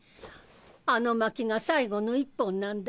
あのまきが最後の一本なんだよ。